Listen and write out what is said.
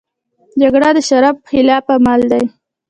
جګړه د شرف خلاف عمل دی